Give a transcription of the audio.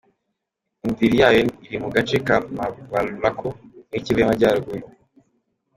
Indiri yayo iri mu gace ka Mabalako muri Kivu y'amajyaruguru.